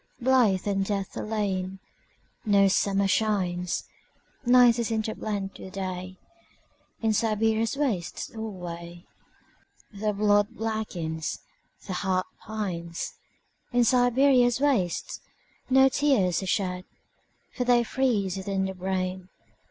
Blight and death alone.No summer shines. Night is interblent with Day.In Siberia's wastes alwayThe blood blackens, the heart pines.In Siberia's wastesNo tears are shed, For they freeze within the brain.